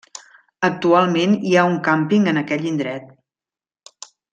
Actualment hi ha un càmping, en aquell indret.